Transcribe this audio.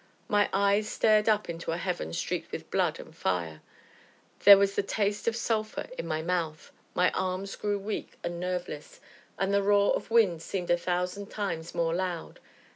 My eyes stared up into a heaven streaked with blood and fire, there was the taste of sulphur in my mouth, my arms grew weak and nerveless, and the roar of wind seemed a thousand times more loud.